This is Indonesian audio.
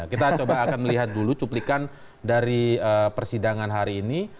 kita coba akan melihat dulu cuplikan dari persidangan hari ini